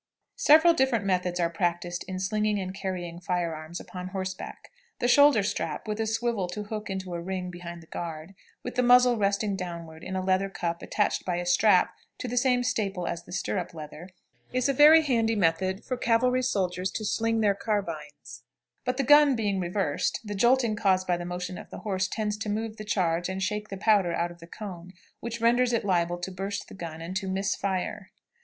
] Several different methods are practiced in slinging and carrying fire arms upon horseback. The shoulder strap, with a swivel to hook into a ring behind the guard, with the muzzle resting downward in a leather cup attached by a strap to the same staple as the stirrup leather, is a very handy method for cavalry soldiers to sling their carbines; but, the gun being reversed, the jolting caused by the motion of the horse tends to move the charge and shake the powder out of the cone, which renders it liable to burst the gun and to miss fire.